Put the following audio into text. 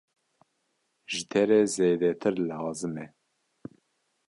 Ji te re zêdetir lazim e!